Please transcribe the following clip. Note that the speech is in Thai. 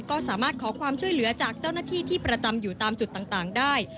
ก็สามารถขอความช่วยเหลือจากเจ้าหน้าที่ที่ประจำอยู่ตามจุดต่างได้